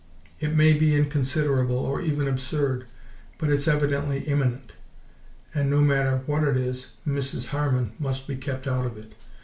It may be inconsiderable, or even absurd, but it's evidently imminent, and no matter what it is, Mrs. Harman must be kept out of it.